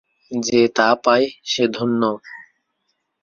যে তা পায়, সে ধন্য।